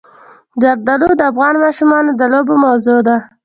زردالو د افغان ماشومانو د لوبو موضوع ده.